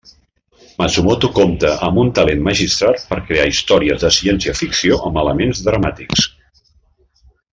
Matsumoto compta amb un talent magistral per crear històries de ciència-ficció amb elements dramàtics.